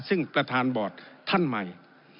ซึ่งประธานบอร์ดท่านใหม่